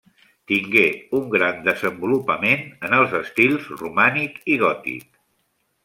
Tingué un gran desenvolupament en els estils romànic i gòtic.